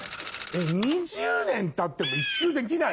２０年たっても一周できない？